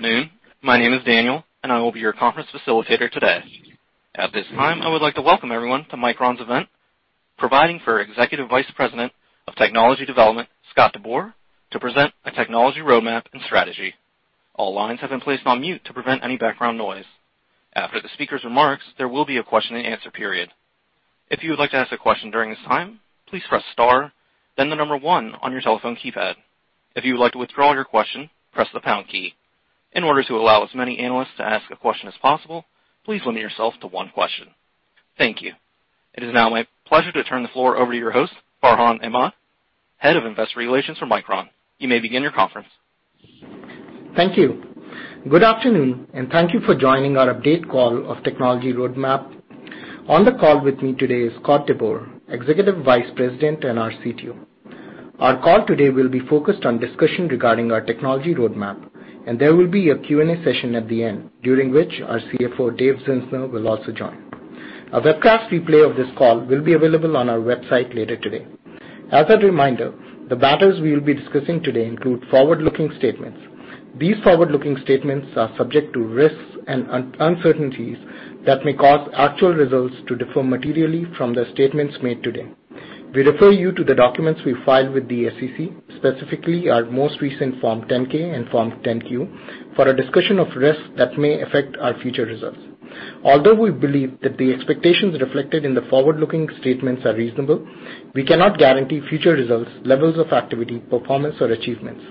Good afternoon. My name is Daniel, and I will be your conference facilitator today. At this time, I would like to welcome everyone to Micron's event, providing for Executive Vice President of Technology Development, Scott DeBoer, to present a technology roadmap and strategy. All lines have been placed on mute to prevent any background noise. After the speaker's remarks, there will be a question and answer period. If you would like to ask a question during this time, please press star, then the number 1 on your telephone keypad. If you would like to withdraw your question, press the pound key. In order to allow as many analysts to ask a question as possible, please limit yourself to one question. Thank you. It is now my pleasure to turn the floor over to your host, Farhan Imam, Head of Investor Relations for Micron. You may begin your conference. Thank you. Good afternoon, and thank you for joining our update call of technology roadmap. On the call with me today is Scott DeBoer, Executive Vice President and our CTO. Our call today will be focused on discussion regarding our technology roadmap, and there will be a Q&A session at the end, during which our CFO, Dave Zinsner, will also join. A webcast replay of this call will be available on our website later today. As a reminder, the matters we will be discussing today include forward-looking statements. These forward-looking statements are subject to risks and uncertainties that may cause actual results to differ materially from the statements made today. We refer you to the documents we filed with the SEC, specifically our most recent Form 10-K and Form 10-Q, for a discussion of risks that may affect our future results. Although we believe that the expectations reflected in the forward-looking statements are reasonable, we cannot guarantee future results, levels of activity, performance, or achievements.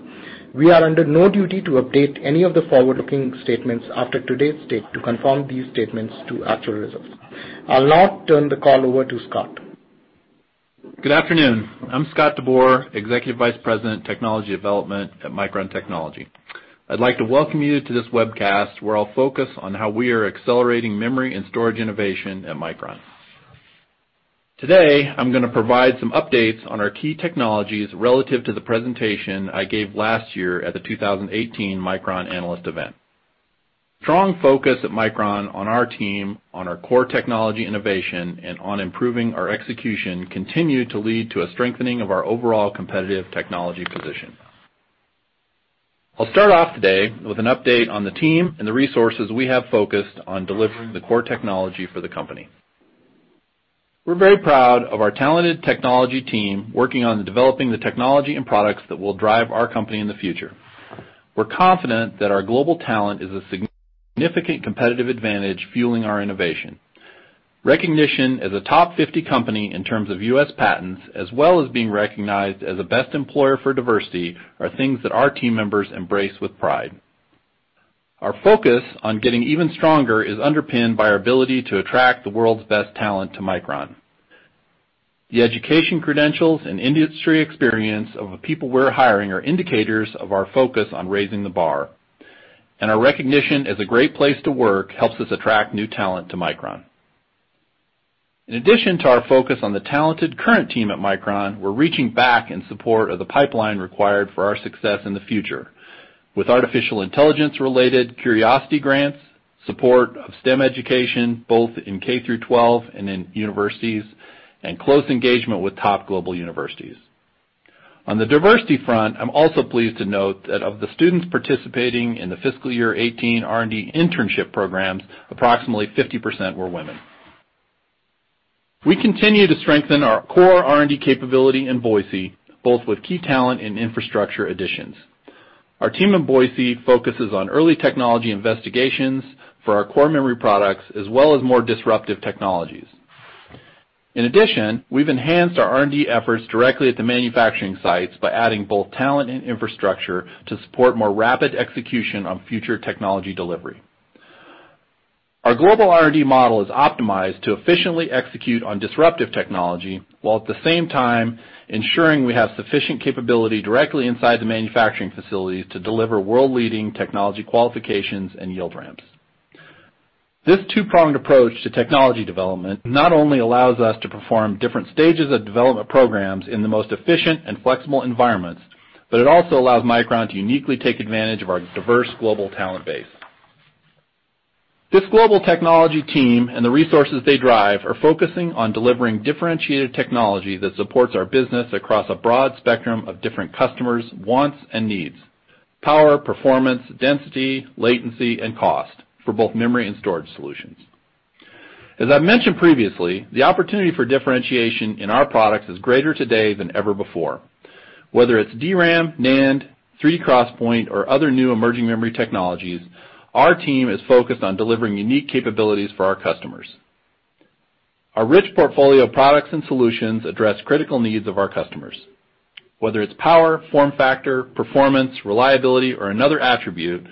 We are under no duty to update any of the forward-looking statements after today's date to confirm these statements to actual results. I'll now turn the call over to Scott. Good afternoon. I'm Scott DeBoer, Executive Vice President Technology Development at Micron Technology. I'd like to welcome you to this webcast, where I'll focus on how we are accelerating memory and storage innovation at Micron. Today, I'm going to provide some updates on our key technologies relative to the presentation I gave last year at the 2018 Micron Analyst Event. Strong focus at Micron on our team, on our core technology innovation, and on improving our execution continue to lead to a strengthening of our overall competitive technology position. I'll start off today with an update on the team and the resources we have focused on delivering the core technology for the company. We're very proud of our talented technology team working on developing the technology and products that will drive our company in the future. We're confident that our global talent is a significant competitive advantage fueling our innovation. Recognition as a top 50 company in terms of U.S. patents, as well as being recognized as a best employer for diversity, are things that our team members embrace with pride. Our focus on getting even stronger is underpinned by our ability to attract the world's best talent to Micron. The education credentials and industry experience of the people we're hiring are indicators of our focus on raising the bar, and our recognition as a great place to work helps us attract new talent to Micron. In addition to our focus on the talented current team at Micron, we're reaching back in support of the pipeline required for our success in the future with artificial intelligence related curiosity grants, support of STEM education, both in K through 12 and in universities, and close engagement with top global universities. On the diversity front, I'm also pleased to note that of the students participating in the fiscal year 2018 R&D internship programs, approximately 50% were women. We continue to strengthen our core R&D capability in Boise, both with key talent and infrastructure additions. Our team in Boise focuses on early technology investigations for our core memory products, as well as more disruptive technologies. In addition, we've enhanced our R&D efforts directly at the manufacturing sites by adding both talent and infrastructure to support more rapid execution on future technology delivery. Our global R&D model is optimized to efficiently execute on disruptive technology, while at the same time ensuring we have sufficient capability directly inside the manufacturing facilities to deliver world-leading technology qualifications and yield ramps. This two-pronged approach to technology development not only allows us to perform different stages of development programs in the most efficient and flexible environments, but it also allows Micron to uniquely take advantage of our diverse global talent base. This global technology team and the resources they drive are focusing on delivering differentiated technology that supports our business across a broad spectrum of different customers' wants and needs, power, performance, density, latency, and cost, for both memory and storage solutions. As I've mentioned previously, the opportunity for differentiation in our products is greater today than ever before. Whether it's DRAM, NAND, 3D XPoint, or other new emerging memory technologies, our team is focused on delivering unique capabilities for our customers. Our rich portfolio of products and solutions address critical needs of our customers, whether it's power, form factor, performance, reliability, or another attribute,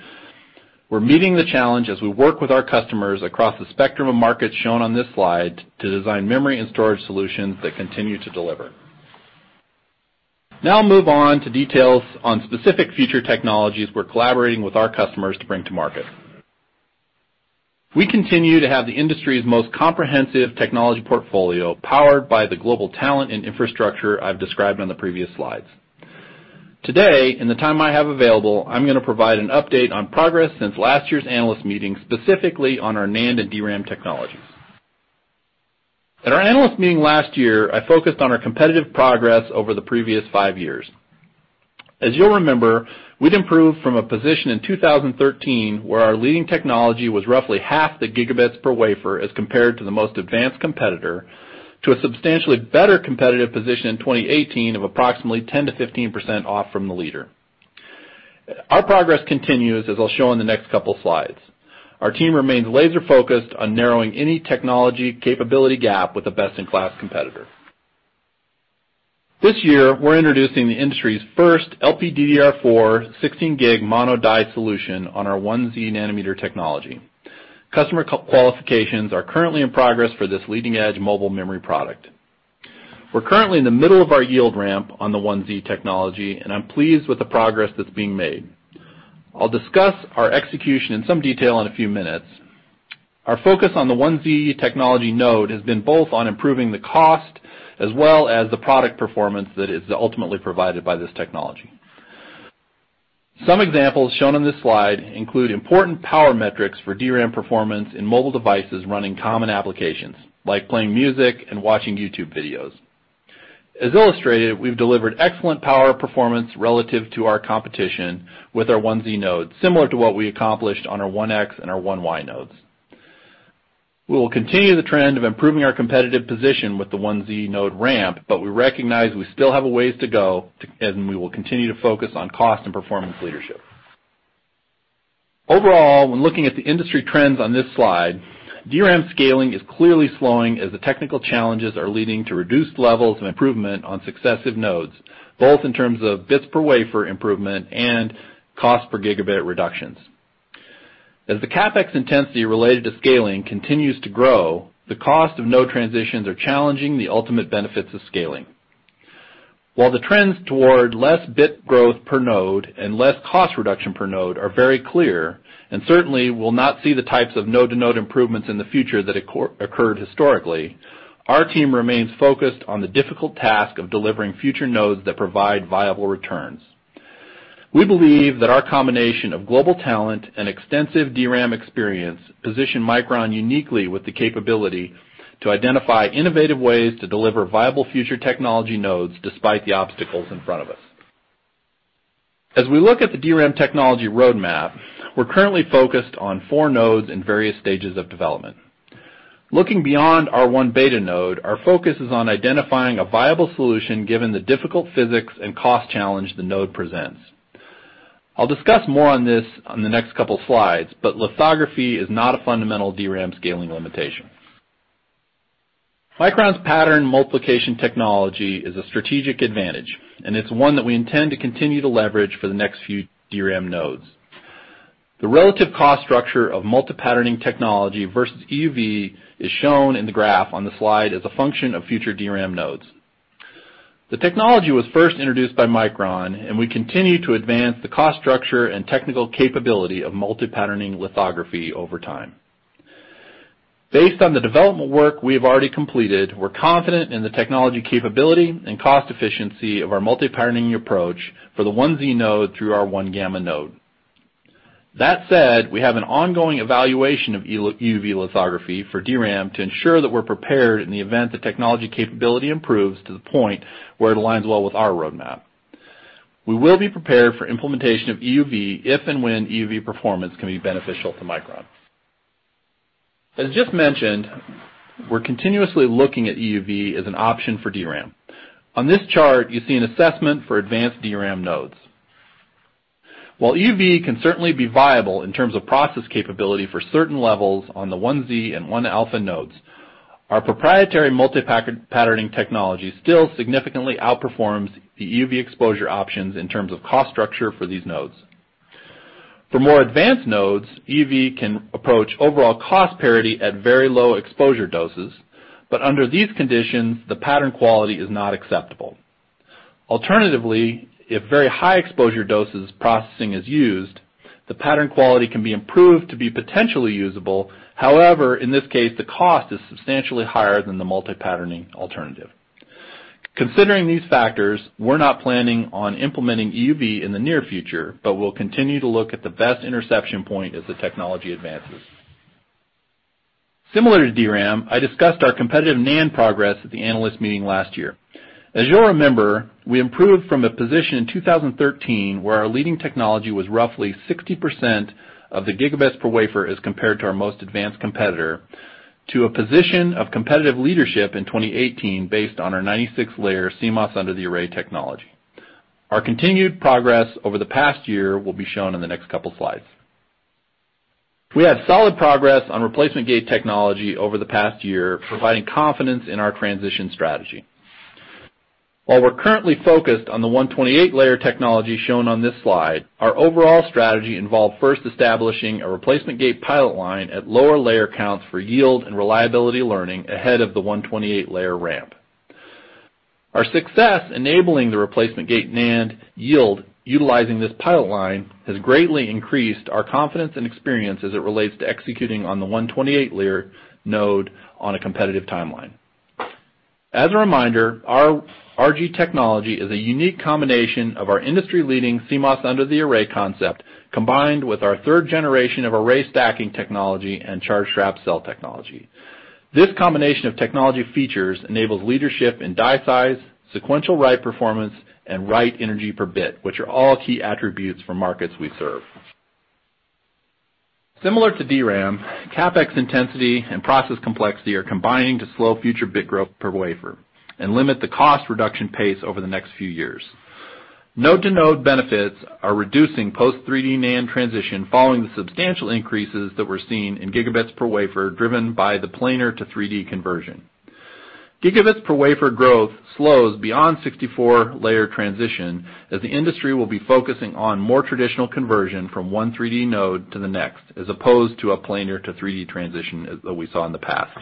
we're meeting the challenge as we work with our customers across the spectrum of markets shown on this slide to design memory and storage solutions that continue to deliver. Now I'll move on to details on specific future technologies we're collaborating with our customers to bring to market. We continue to have the industry's most comprehensive technology portfolio powered by the global talent and infrastructure I've described on the previous slides. Today, in the time I have available, I'm going to provide an update on progress since last year's analyst meeting, specifically on our NAND and DRAM technologies. At our analyst meeting last year, I focused on our competitive progress over the previous five years. As you'll remember, we'd improved from a position in 2013 where our leading technology was roughly half the gigabits per wafer as compared to the most advanced competitor, to a substantially better competitive position in 2018 of approximately 10%-15% off from the leader. Our progress continues, as I'll show in the next couple slides. Our team remains laser-focused on narrowing any technology capability gap with a best-in-class competitor. This year, we're introducing the industry's first LPDDR4 16 gig mono die solution on our 1Z nanometer technology. Customer qualifications are currently in progress for this leading-edge mobile memory product. We're currently in the middle of our yield ramp on the 1Z technology, and I'm pleased with the progress that's being made. I'll discuss our execution in some detail in a few minutes. Our focus on the 1Z technology node has been both on improving the cost as well as the product performance that is ultimately provided by this technology. Some examples shown on this slide include important power metrics for DRAM performance in mobile devices running common applications, like playing music and watching YouTube videos. As illustrated, we've delivered excellent power performance relative to our competition with our 1Z node, similar to what we accomplished on our 1X and our 1Y nodes. We recognize we still have a ways to go and we will continue to focus on cost and performance leadership. Overall, when looking at the industry trends on this slide, DRAM scaling is clearly slowing as the technical challenges are leading to reduced levels of improvement on successive nodes, both in terms of bits per wafer improvement and cost per gigabit reductions. As the CapEx intensity related to scaling continues to grow, the cost of node transitions are challenging the ultimate benefits of scaling. While the trends toward less bit growth per node and less cost reduction per node are very clear, certainly we'll not see the types of node-to-node improvements in the future that occurred historically, our team remains focused on the difficult task of delivering future nodes that provide viable returns. We believe that our combination of global talent and extensive DRAM experience position Micron uniquely with the capability to identify innovative ways to deliver viable future technology nodes despite the obstacles in front of us. As we look at the DRAM technology roadmap, we're currently focused on four nodes in various stages of development. Looking beyond our 1β node, our focus is on identifying a viable solution given the difficult physics and cost challenge the node presents. I'll discuss more on this on the next couple slides, Lithography is not a fundamental DRAM scaling limitation. Micron's pattern multiplication technology is a strategic advantage, and it's one that we intend to continue to leverage for the next few DRAM nodes. The relative cost structure of multi-patterning technology versus EUV is shown in the graph on the slide as a function of future DRAM nodes. The technology was first introduced by Micron, and we continue to advance the cost structure and technical capability of multi-patterning lithography over time. Based on the development work we have already completed, we're confident in the technology capability and cost efficiency of our multi-patterning approach for the 1Z node through our 1-gamma node. That said, we have an ongoing evaluation of EUV lithography for DRAM to ensure that we're prepared in the event the technology capability improves to the point where it aligns well with our roadmap. We will be prepared for implementation of EUV if and when EUV performance can be beneficial to Micron. As just mentioned, we're continuously looking at EUV as an option for DRAM. On this chart, you see an assessment for advanced DRAM nodes. While EUV can certainly be viable in terms of process capability for certain levels on the 1Z and 1-alpha nodes, our proprietary multi-patterning technology still significantly outperforms the EUV exposure options in terms of cost structure for these nodes. For more advanced nodes, EUV can approach overall cost parity at very low exposure doses, but under these conditions, the pattern quality is not acceptable. Alternatively, if very high exposure doses processing is used, the pattern quality can be improved to be potentially usable. However, in this case, the cost is substantially higher than the multi-patterning alternative. Considering these factors, we're not planning on implementing EUV in the near future, but we'll continue to look at the best interception point as the technology advances. Similar to DRAM, I discussed our competitive NAND progress at the analyst meeting last year. As you'll remember, we improved from a position in 2013 where our leading technology was roughly 60% of the gigabits per wafer as compared to our most advanced competitor, to a position of competitive leadership in 2018 based on our 96-layer CMOS under the array technology. Our continued progress over the past year will be shown in the next couple slides. We had solid progress on replacement gate technology over the past year, providing confidence in our transition strategy. While we're currently focused on the 128-layer technology shown on this slide, our overall strategy involved first establishing a replacement gate pilot line at lower layer counts for yield and reliability learning ahead of the 128-layer ramp. Our success enabling the replacement gate NAND yield utilizing this pilot line has greatly increased our confidence and experience as it relates to executing on the 128-layer node on a competitive timeline. As a reminder, our RG technology is a unique combination of our industry-leading CMOS under the array concept, combined with our third generation of array stacking technology and charge trap cell technology. This combination of technology features enables leadership in die size, sequential write performance, and write energy per bit, which are all key attributes for markets we serve. Similar to DRAM, CapEx intensity and process complexity are combining to slow future bit growth per wafer and limit the cost reduction pace over the next few years. Node-to-node benefits are reducing post-3D NAND transition following the substantial increases that we're seeing in gigabits per wafer, driven by the planar to 3D conversion. Gigabits per wafer growth slows beyond 64-layer transition, as the industry will be focusing on more traditional conversion from one 3D node to the next, as opposed to a planar to 3D transition that we saw in the past.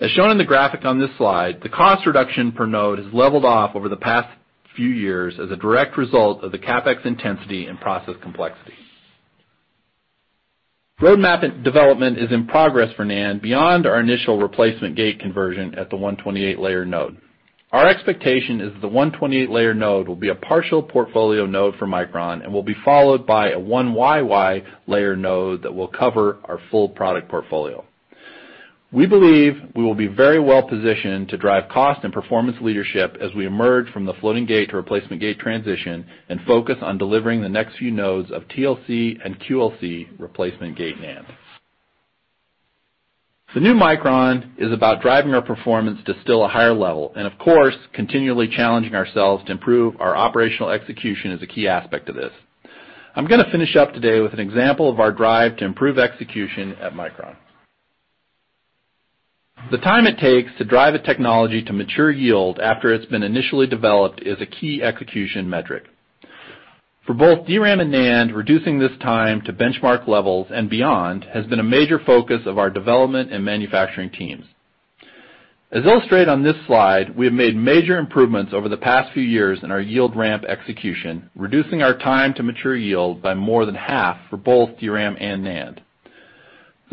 As shown in the graphic on this slide, the cost reduction per node has leveled off over the past few years as a direct result of the CapEx intensity and process complexity. Roadmap development is in progress for NAND beyond our initial replacement gate conversion at the 128-layer node. Our expectation is the 128-layer node will be a partial portfolio node for Micron and will be followed by a 1YY layer node that will cover our full product portfolio. We believe we will be very well positioned to drive cost and performance leadership as we emerge from the floating gate to replacement gate transition and focus on delivering the next few nodes of TLC and QLC replacement gate NAND. The new Micron is about driving our performance to still a higher level, and of course, continually challenging ourselves to improve our operational execution is a key aspect of this. I'm going to finish up today with an example of our drive to improve execution at Micron. The time it takes to drive a technology to mature yield after it's been initially developed is a key execution metric. For both DRAM and NAND, reducing this time to benchmark levels and beyond has been a major focus of our development and manufacturing teams. As illustrated on this slide, we have made major improvements over the past few years in our yield ramp execution, reducing our time to mature yield by more than half for both DRAM and NAND.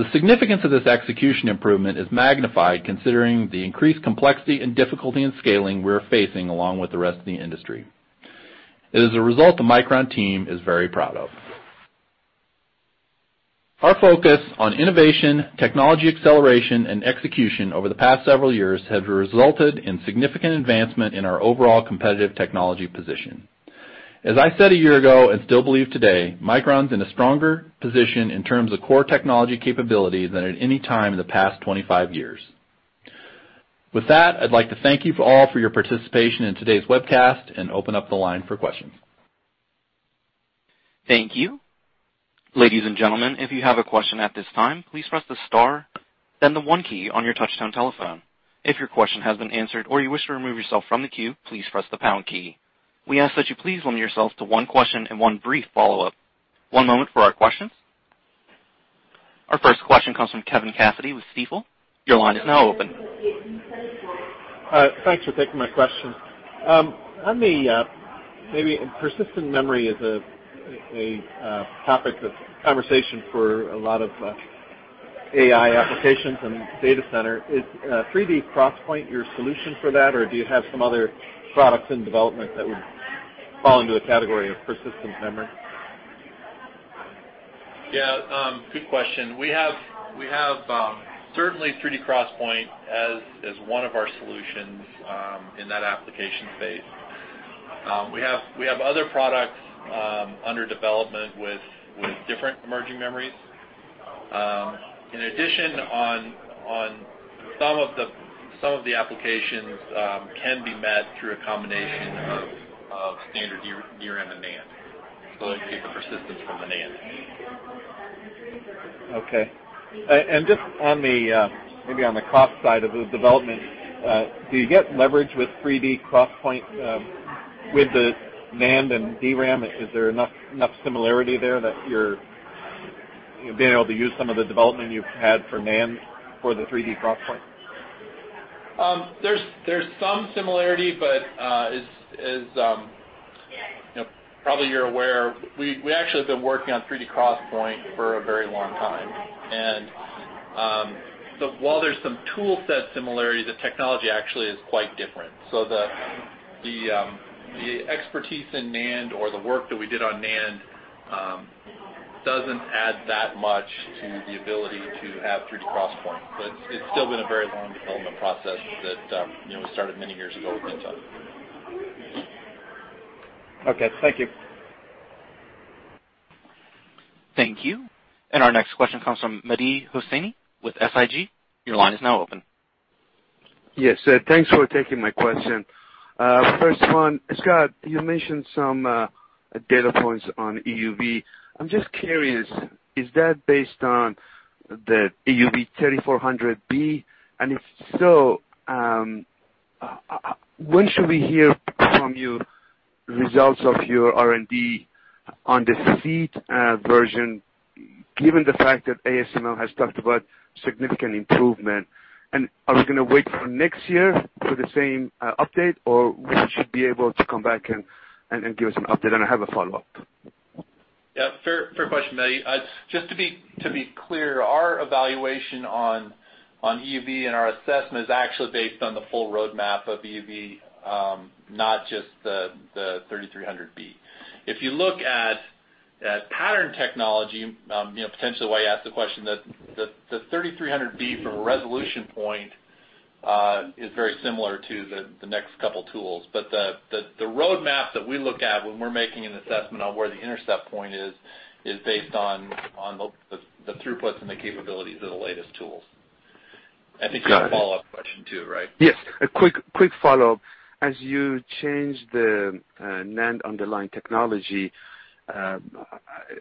The significance of this execution improvement is magnified considering the increased complexity and difficulty in scaling we're facing along with the rest of the industry. It is a result the Micron team is very proud of. Our focus on innovation, technology acceleration, and execution over the past several years has resulted in significant advancement in our overall competitive technology position. As I said a year ago and still believe today, Micron's in a stronger position in terms of core technology capability than at any time in the past 25 years. With that, I'd like to thank you all for your participation in today's webcast and open up the line for questions. Thank you. Ladies and gentlemen, if you have a question at this time, please press the star, then the one key on your touchtone telephone. If your question has been answered or you wish to remove yourself from the queue, please press the pound key. We ask that you please limit yourself to one question and one brief follow-up. One moment for our questions. Our first question comes from Kevin Cassidy with Stifel. Your line is now open. Thanks for taking my question. Maybe persistent memory is a topic of conversation for a lot of AI applications and data center. Is 3D XPoint your solution for that, or do you have some other products in development that would fall into the category of persistent memory? Yeah, good question. We have certainly 3D XPoint as one of our solutions in that application space. We have other products under development with different emerging memories. In addition, on some of the applications can be met through a combination of standard DRAM and NAND. You can get the persistence from the NAND. Okay. Just maybe on the cost side of the development, do you get leverage with 3D XPoint with the NAND and DRAM? Is there enough similarity there that you're being able to use some of the development you've had for NAND for the 3D XPoint? There's some similarity, but as probably you're aware, we actually have been working on 3D XPoint for a very long time. While there's some tool set similarity, the technology actually is quite different. The expertise in NAND or the work that we did on NAND doesn't add that much to the ability to have 3D XPoint. It's still been a very long development process that we started many years ago with Intel. Okay. Thank you. Thank you. Our next question comes from Mehdi Hosseini with SIG. Your line is now open. Yes. Thanks for taking my question. First one, Scott, you mentioned some data points on EUV. I'm just curious, is that based on the EUV NXE:3400B? If so, when should we hear from you results of your R&D on the seed version, given the fact that ASML has talked about significant improvement? Are we going to wait for next year for the same update, or we should be able to come back and give us an update? I have a follow-up. Yeah. Fair question, Mehdi. Just to be clear, our evaluation on EUV and our assessment is actually based on the full roadmap of EUV, not just the 3300B. If you look at pattern technology, potentially why you asked the question, the 3300B from a resolution point, is very similar to the next couple tools. The roadmap that we look at when we're making an assessment on where the intercept point is based on the throughputs and the capabilities of the latest tools. Got it. I think you had a follow-up question too, right? Yes, a quick follow-up. As you change the NAND underlying technology,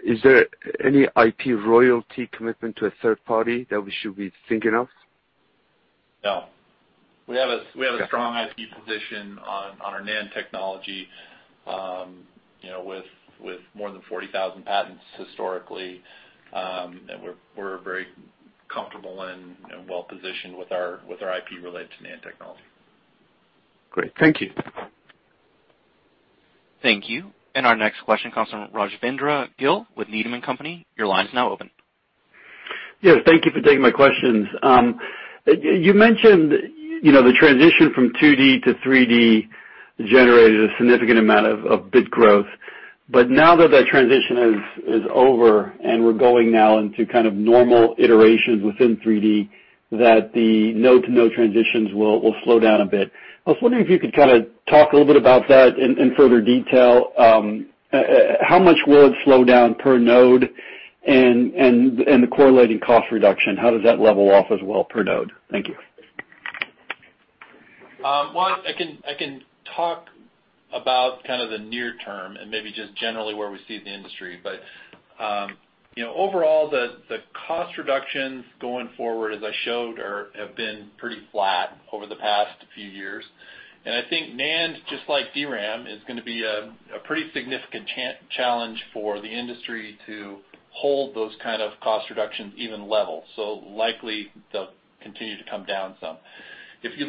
is there any IP royalty commitment to a third party that we should be thinking of? No. We have a strong IP position on our NAND technology, with more than 40,000 patents historically. We're very comfortable and well-positioned with our IP related to NAND technology. Great. Thank you. Thank you. Our next question comes from Rajvindra Gill with Needham & Company. Your line is now open. Yes, thank you for taking my questions. You mentioned the transition from 2D to 3D generated a significant amount of bit growth. Now that transition is over, and we're going now into kind of normal iterations within 3D, that the node-to-node transitions will slow down a bit. I was wondering if you could kind of talk a little bit about that in further detail. How much will it slow down per node, and the correlating cost reduction, how does that level off as well per node? Thank you. Well, I can talk about kind of the near term and maybe just generally where we see the industry. Overall, the cost reductions going forward, as I showed, have been pretty flat over the past few years. I think NAND, just like DRAM, is going to be a pretty significant challenge for the industry to hold those kind of cost reductions even level. Likely, they'll continue to come down some. If you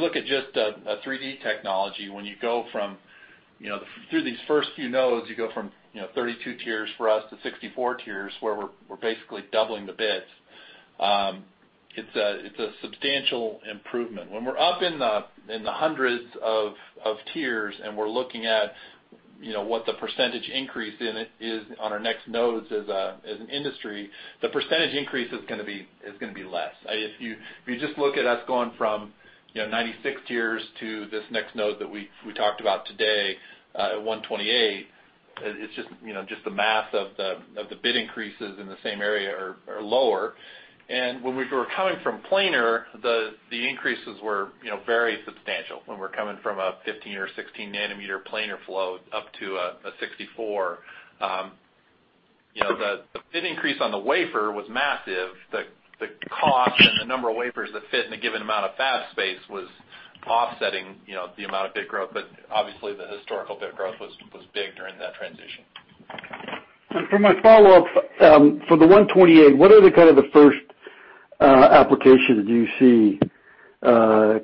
look at just a 3D technology, when you go through these first few nodes, you go from 32 tiers for us to 64 tiers, where we're basically doubling the bits. It's a substantial improvement. When we're up in the hundreds of tiers and we're looking at what the percentage increase in it is on our next nodes as an industry, the percentage increase is going to be less. If you just look at us going from 96 tiers to this next node that we talked about today, at 128, just the math of the bit increases in the same area are lower. When we were coming from planar, the increases were very substantial. When we're coming from a 15 or 16 nanometer planar flow up to a 64. The bit increase on the wafer was massive. The cost and the number of wafers that fit in a given amount of fab space was offsetting the amount of bit growth, but obviously, the historical bit growth was big during that transition. For my follow-up, for the 128, what are the kind of the first applications do you see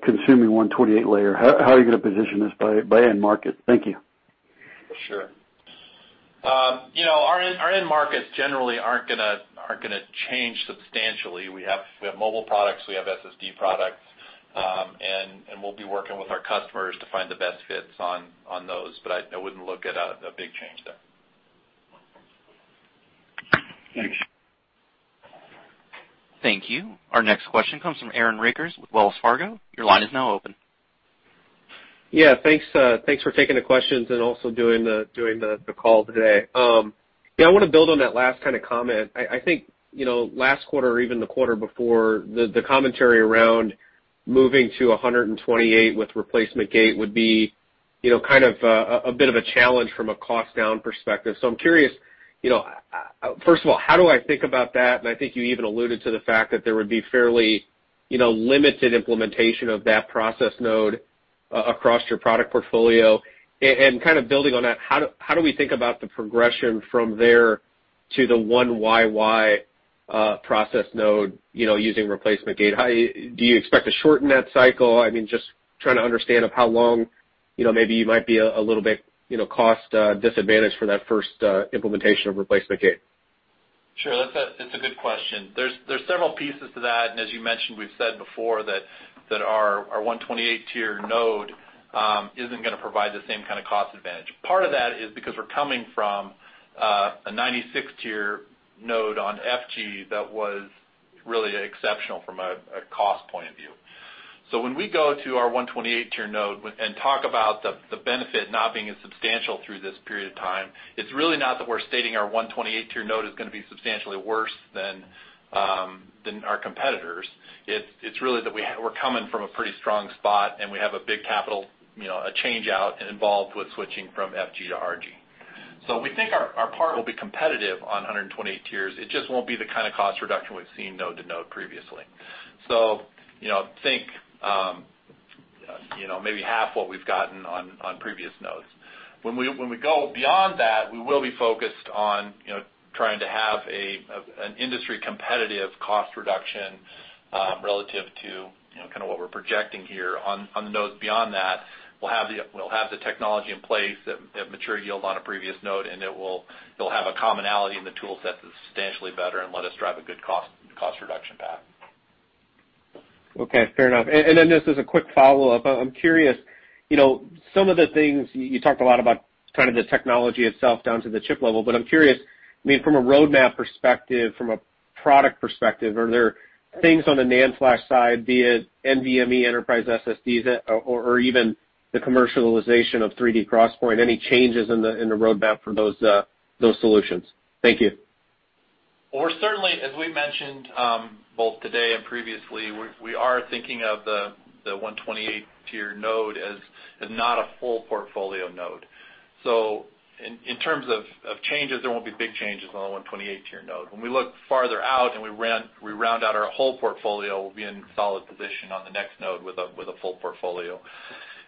consuming 128 layer? How are you going to position this by end market? Thank you. Sure. Our end markets generally aren't going to change substantially. We have mobile products, we have SSD products, and we'll be working with our customers to find the best fits on those, but I wouldn't look at a big change there. Thank you. Thank you. Our next question comes from Aaron Rakers with Wells Fargo. Your line is now open. Yeah, thanks for taking the questions and also doing the call today. Yeah, I want to build on that last kind of comment. I think, last quarter or even the quarter before, the commentary around moving to 128 with replacement gate would be kind of a bit of a challenge from a cost-down perspective. I'm curious, first of all, how do I think about that? I think you even alluded to the fact that there would be fairly limited implementation of that process node across your product portfolio. Kind of building on that, how do we think about the progression from there to the 1YY process node using replacement gate? Do you expect to shorten that cycle? Just trying to understand of how long maybe you might be a little bit cost-disadvantaged for that first implementation of replacement gate. Sure, it's a good question. There's several pieces to that, and as you mentioned, we've said before that our 128-tier node isn't going to provide the same kind of cost advantage. Part of that is because we're coming from a 96-tier node on FG that was really exceptional from a cost point of view. When we go to our 128-tier node and talk about the benefit not being as substantial through this period of time, it's really not that we're stating our 128-tier node is going to be substantially worse than our competitors. It's really that we're coming from a pretty strong spot, and we have a big capital change-out involved with switching from FG to RG. We think our part will be competitive on 128 tiers. It just won't be the kind of cost reduction we've seen node to node previously. Think maybe half what we've gotten on previous nodes. When we go beyond that, we will be focused on trying to have an industry-competitive cost reduction relative to kind of what we're projecting here on the nodes beyond that. We'll have the technology in place, the mature yield on a previous node, and it'll have a commonality in the tool set that's substantially better and let us drive a good cost reduction path. Okay, fair enough. Just as a quick follow-up, I'm curious, some of the things you talked a lot about, kind of the technology itself down to the chip level, but I'm curious, from a roadmap perspective, from a product perspective, are there things on the NAND flash side, be it NVMe, enterprise SSDs, or even the commercialization of 3D XPoint, any changes in the roadmap for those solutions? Thank you. Well, we're certainly, as we mentioned, both today and previously, we are thinking of the 128-tier node as not a full portfolio node. In terms of changes, there won't be big changes on the 128-tier node. When we look farther out and we round out our whole portfolio, we'll be in solid position on the next node with a full portfolio.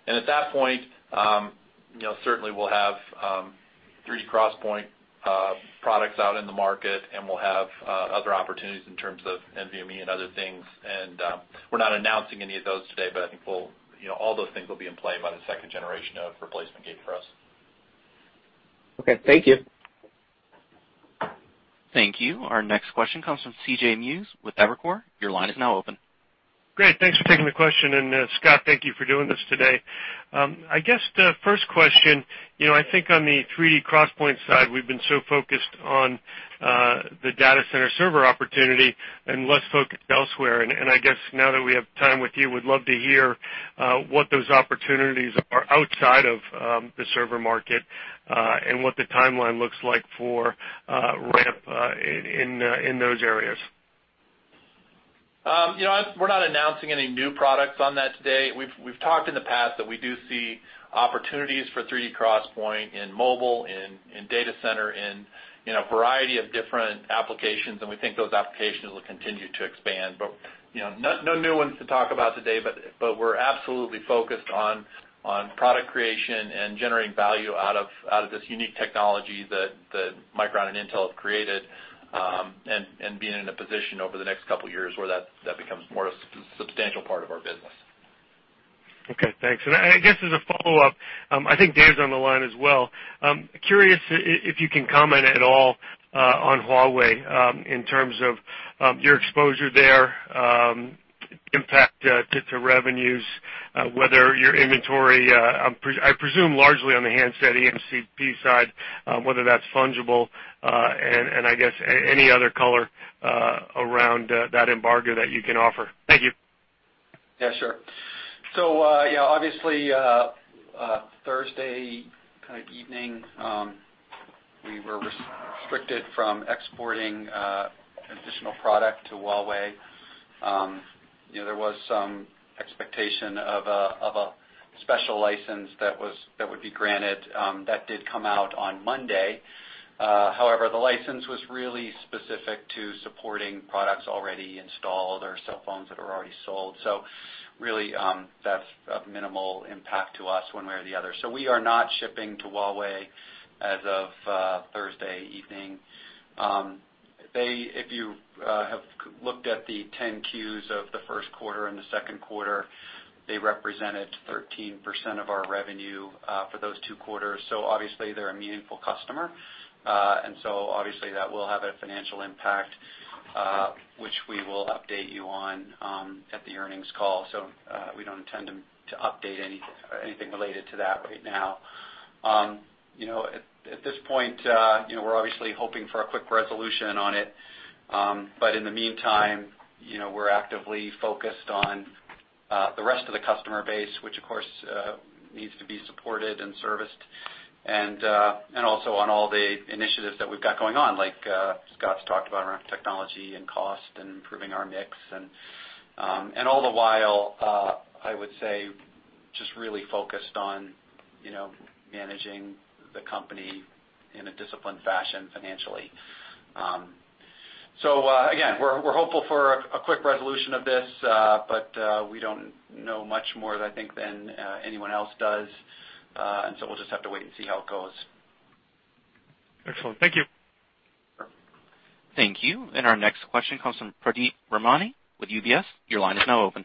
At that point, certainly we'll have 3D XPoint products out in the market, and we'll have other opportunities in terms of NVMe and other things. We're not announcing any of those today, but I think all those things will be in play by the second generation of replacement gate for us. Okay. Thank you. Thank you. Our next question comes from C.J. Muse with Evercore. Your line is now open. Great. Thanks for taking the question, Scott, thank you for doing this today. I guess the first question, I think on the 3D XPoint side, we've been so focused on the data center server opportunity and less focused elsewhere. I guess now that we have time with you, we'd love to hear what those opportunities are outside of the server market, and what the timeline looks like for ramp in those areas. We're not announcing any new products on that today. We've talked in the past that we do see opportunities for 3D XPoint in mobile, in data center, in a variety of different applications, and we think those applications will continue to expand. No new ones to talk about today, but we're absolutely focused on product creation and generating value out of this unique technology that Micron and Intel have created, and being in a position over the next couple of years where that becomes more a substantial part of our business. Okay, thanks. I guess as a follow-up, I think Dave's on the line as well. Curious if you can comment at all on Huawei, in terms of your exposure there, impact to revenues, whether your inventory, I presume largely on the handset EMCP side, whether that's fungible, and I guess any other color around that embargo that you can offer. Thank you. Yeah, sure. Obviously, Thursday evening, we were restricted from exporting additional product to Huawei. There was some expectation of a special license that would be granted. That did come out on Monday. However, the license was really specific to supporting products already installed or cell phones that are already sold. Really, that's of minimal impact to us one way or the other. We are not shipping to Huawei as of Thursday evening. If you have looked at the 10-Qs of the first quarter and the second quarter, they represented 13% of our revenue for those two quarters. Obviously they're a meaningful customer. Obviously that will have a financial impact, which we will update you on at the earnings call. We don't intend to update anything related to that right now. At this point, we're obviously hoping for a quick resolution on it. In the meantime, we're actively focused on the rest of the customer base, which of course needs to be supported and serviced, also on all the initiatives that we've got going on, like Scott's talked about, around technology and cost and improving our mix. All the while, I would say, just really focused on managing the company in a disciplined fashion financially. Again, we're hopeful for a quick resolution of this, but we don't know much more, I think, than anyone else does. We'll just have to wait and see how it goes. Excellent. Thank you. Thank you. Our next question comes from Pradeep Ramani with UBS. Your line is now open.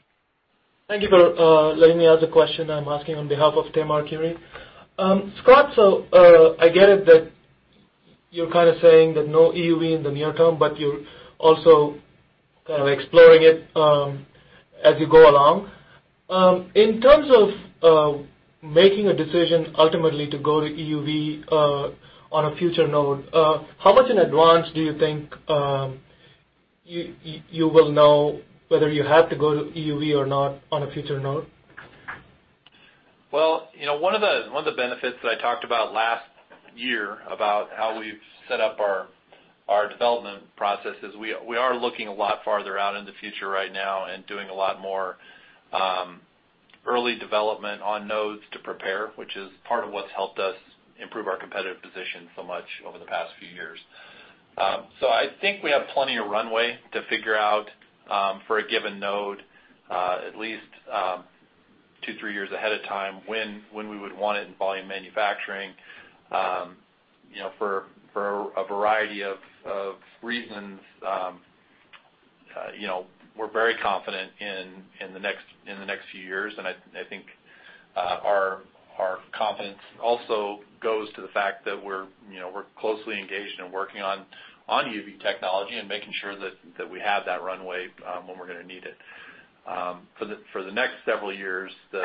Thank you for letting me ask the question. I'm asking on behalf of Timothy Arcuri. Scott, I get it that you're kind of saying that no EUV in the near term, but you're also kind of exploring it as you go along. In terms of making a decision ultimately to go to EUV on a future node, how much in advance do you think you will know whether you have to go to EUV or not on a future node? one of the benefits that I talked about last year, about how we've set up our development process is, we are looking a lot farther out in the future right now and doing a lot more early development on nodes to prepare, which is part of what's helped us improve our competitive position so much over the past few years. I think we have plenty of runway to figure out, for a given node, at least two, three years ahead of time, when we would want it in volume manufacturing. For a variety of reasons, we're very confident in the next few years, and I think our confidence also goes to the fact that we're closely engaged and working on EUV technology and making sure that we have that runway when we're going to need it. For the next several years, the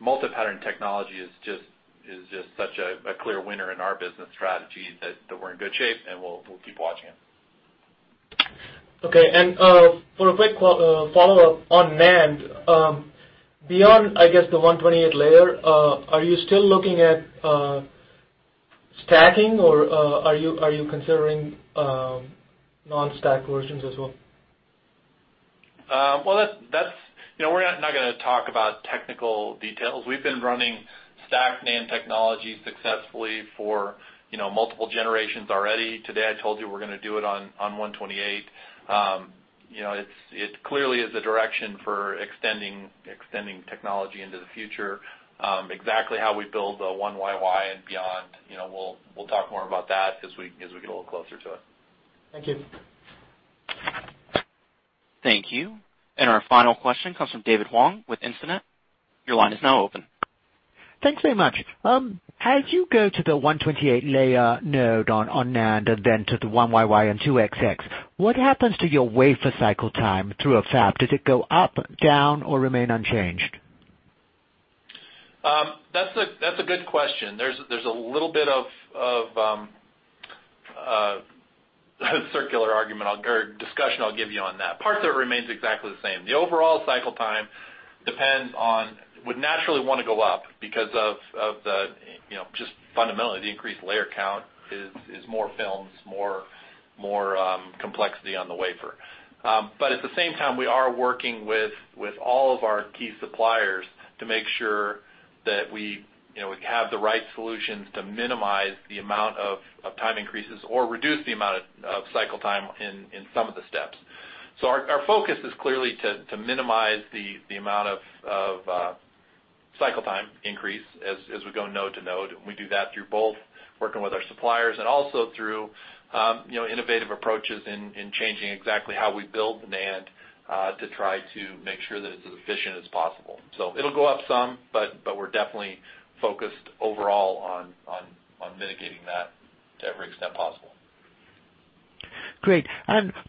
multi-pattern technology is just such a clear winner in our business strategy that we're in good shape, and we'll keep watching it. Okay. For a quick follow-up on NAND, beyond, I guess, the 128 layer, are you still looking at stacking, or are you considering non-stack versions as well? We're not going to talk about technical details. We've been running stacked NAND technology successfully for multiple generations already. Today, I told you we're going to do it on 128. It clearly is a direction for extending technology into the future. Exactly how we build the 1YY and beyond, we'll talk more about that as we get a little closer to it. Thank you. Thank you. Our final question comes from David Wong with Instinet. Your line is now open. Thanks very much. As you go to the 128 layer node on NAND and then to the 1YY and 2XX, what happens to your wafer cycle time through a fab? Does it go up, down, or remain unchanged? That's a good question. There's a little bit of a circular argument or discussion I'll give you on that. Parts of it remains exactly the same. The overall cycle time would naturally want to go up because of just fundamentally the increased layer count is more films, more complexity on the wafer. At the same time, we are working with all of our key suppliers to make sure that we have the right solutions to minimize the amount of time increases or reduce the amount of cycle time in some of the steps. Our focus is clearly to minimize the amount of cycle time increase as we go node to node. We do that through both working with our suppliers and also through innovative approaches in changing exactly how we build NAND to try to make sure that it's as efficient as possible. It'll go up some, but we're definitely focused overall on mitigating that to every extent possible. Great.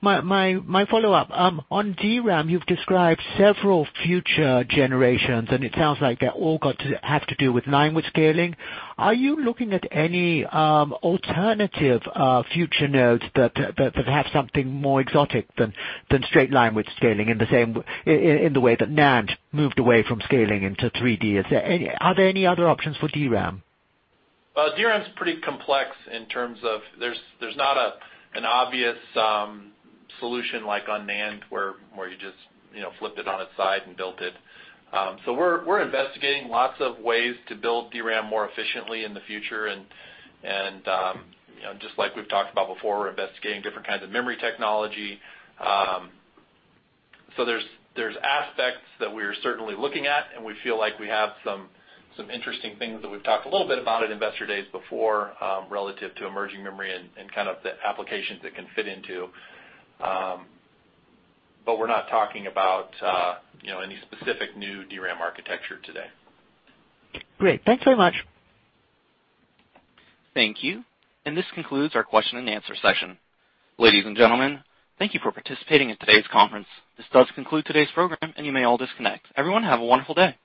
My follow-up. On DRAM, you've described several future generations, and it sounds like they've all got to have to do with line width scaling. Are you looking at any alternative future nodes that have something more exotic than straight line width scaling in the way that NAND moved away from scaling into 3D? Are there any other options for DRAM? DRAM is pretty complex in terms of there's not an obvious solution like on NAND where you just flip it on its side and built it. We're investigating lots of ways to build DRAM more efficiently in the future, and just like we've talked about before, we're investigating different kinds of memory technology. There's aspects that we're certainly looking at, and we feel like we have some interesting things that we've talked a little bit about at Investor Days before, relative to emerging memory and kind of the applications it can fit into. We're not talking about any specific new DRAM architecture today. Great. Thanks very much. Thank you. This concludes our question and answer session. Ladies and gentlemen, thank you for participating in today's conference. This does conclude today's program, and you may all disconnect. Everyone, have a wonderful day.